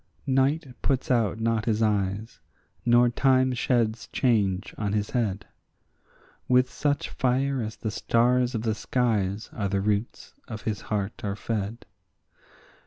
Night puts out not his eyes, nor time sheds change on his head; With such fire as the stars of the skies are the roots of his heart are fed.